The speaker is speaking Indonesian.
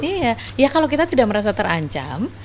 iya ya kalau kita tidak merasa terancam